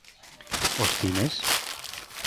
Os cines?